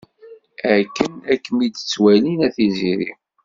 Akken ad kem-id-ttwalin a Tiziri.